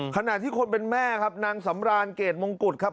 ขณะที่คนเป็นแม่ครับนางสำรานเกรดมงกุฎครับ